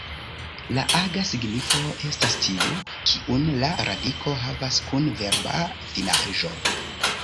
La aga signifo estas tiu, kiun la radiko havas kun verba finaĵo.